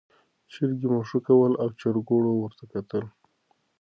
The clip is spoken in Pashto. چرګې مښوکه وهله او چرګوړو ورته کتل.